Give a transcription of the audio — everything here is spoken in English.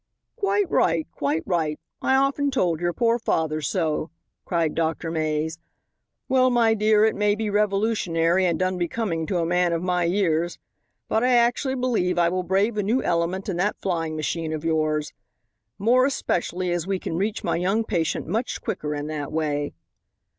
"Quite right! Quite right! I often told your poor father so," cried Dr. Mays. "Well, my dear, it may be revolutionary and unbecoming to a man of my years, but I actually believe I will brave a new element in that flying machine of yours. More especially as we can reach my young patient much quicker in that way."